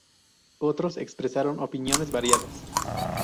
Otros expresaron opiniones variadas.